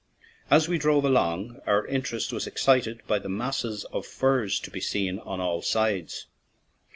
As we drove along, our interest was excited by the masses of furze to be seen on all sides.